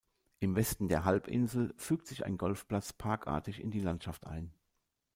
Im Westen der Halbinsel fügt sich ein Golfplatz parkartig in die Landschaft ein.